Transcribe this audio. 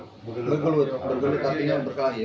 berkelut berkelut artinya berkelah ya